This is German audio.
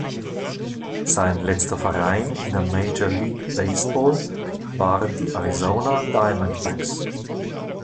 Sein letzter Verein in der Major League Baseball waren die Arizona Diamondbacks.